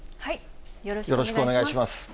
よろしくお願いします。